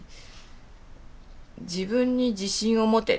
「自分に自信をもて」。